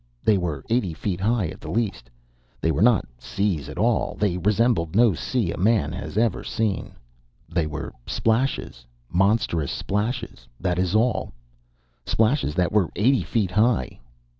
They were eighty feet high at the least. They were not seas at all. They resembled no sea a man had ever seen. They were splashes, monstrous splashes that is all. Splashes that were eighty feet high.